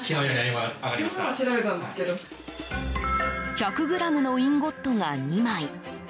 １００ｇのインゴットが２枚。